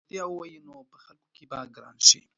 که رښتیا ووایې نو په خلکو کې به ګران شې.